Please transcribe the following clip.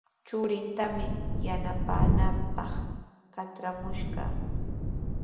Churintami yanapaamaananpaq katramushqa.